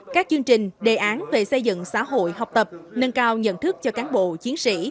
các chương trình đề án về xây dựng xã hội học tập nâng cao nhận thức cho cán bộ chiến sĩ